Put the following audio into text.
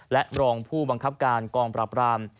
และรองผู้บังคับการกองปราบราม